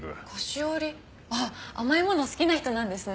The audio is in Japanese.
ああ甘いもの好きな人なんですね。